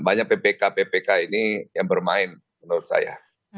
banyak ppk ppk ini yang bermain menurut saya